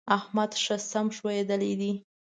احمد ښه سم ښويېدلی دی.